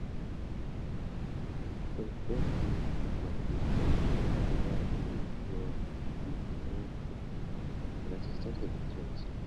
Él perdió su asiento y lugar en el gabinete tras estas elecciones.